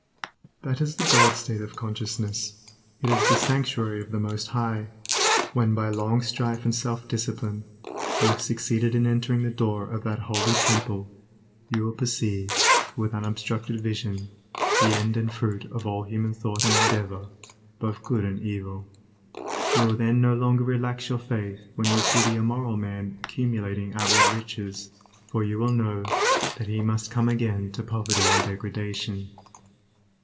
That is the God state of consciousness; it is the sanctuary of the Most High. When by long strife and self discipline, you have succeeded in entering the door of that holy Temple, you will perceive, with unobstructed vision, the end and fruit of all human thought and endeavor, both good and evil. You will then no longer relax your faith when you see the immoral man accumulating outward riches, for you will know, that he must come again to poverty and degradation.